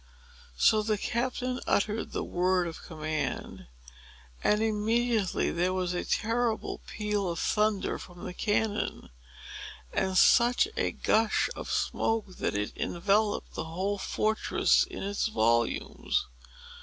So the captain uttered the word of command, and immediately there was a terrible peal of thunder from the cannon, and such a gush of smoke that it enveloped the whole fortress in its volumes.